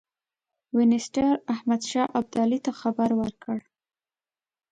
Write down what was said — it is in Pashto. وینسیټار احمدشاه ابدالي ته خبر ورکړ.